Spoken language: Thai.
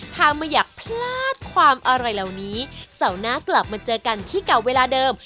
ถ้าไม่อยากพลาดความอร่อยเหล่านี้เสาร์หน้ากลับมาเจอกันที่เก่าเวลาเดิม